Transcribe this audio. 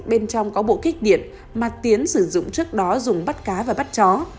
bên trong có bộ kích điện mà tiến sử dụng trước đó dùng bắt cá và bắt chó